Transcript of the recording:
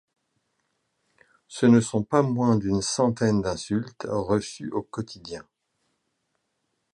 Ce ne sont pas moins d'une centaine d'insultes reçues au quotidien.